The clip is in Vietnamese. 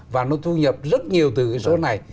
và nó thu nhập rất nhiều từ cái số này